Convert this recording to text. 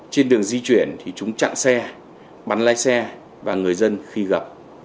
trên đường di chuyển thì chúng chặn xe bắn lái xe và người dân khi gặp